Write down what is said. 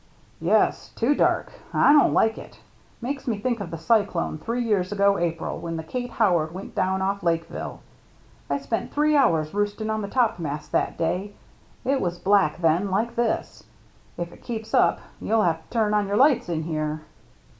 "Yes, too dark. I don't like it. Makes me think of the cyclone three years ago April, when the Kate Howard went down off Lake ville. I spent three hours roosting on the topmast that day. It was black then, like this. If it keeps up, you'll have to turn on your lights in here."